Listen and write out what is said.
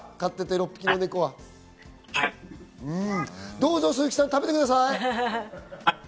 どうぞ鈴木さん、食べてください。